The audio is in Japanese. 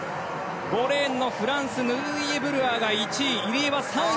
５レーンのフランスヌドイェ・ブルアーが１位。